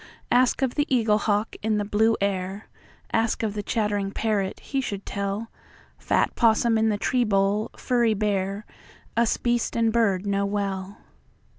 Ask of the eaglehawk in the blue air, Ask of the chattering parrot, he should tell; Fat possum in the tree bole, furry bear, Us beast and bird know well.